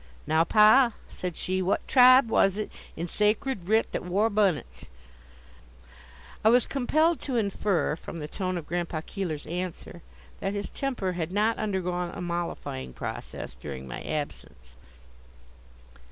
"Now, pa," said she; "what tribe was it in sacred writ that wore bunnits?" I was compelled to infer from the tone of Grandpa Keeler's answer that his temper had not undergone a mollifying process during my absence.